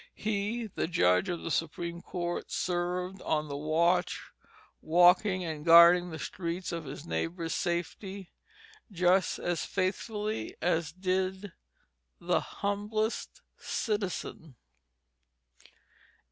He, the Judge of the Supreme Court, served on the watch, walking and guarding the streets and his neighbors' safety just as faithfully as did the humblest citizen.